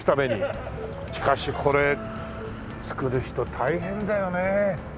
しかしこれ作る人大変だよね。